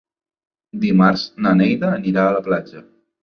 Dimarts na Neida anirà a la platja.